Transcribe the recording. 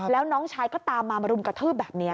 แล้วน้องชายก็ตามมามารุมกระทืบแบบนี้